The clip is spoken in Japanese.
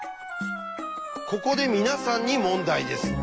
ここで皆さんに問題です。